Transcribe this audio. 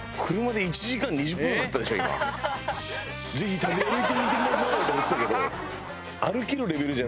「ぜひ食べ歩いてみてください」とか言ってたけど。